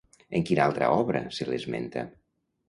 En quina altra obra se l'esmenta?